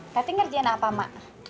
tati kerjaan apa mak